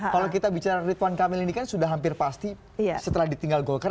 kalau kita bicara ridwan kamil ini kan sudah hampir pasti setelah ditinggal golkar